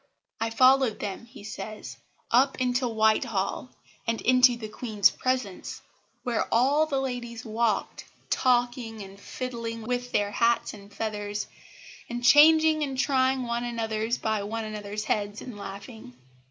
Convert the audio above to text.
"I followed them," he says, "up into Whitehall, and into the Queen's presence, where all the ladies walked, talking and fiddling with their hats and feathers, and changing and trying one another's by one another's heads and laughing.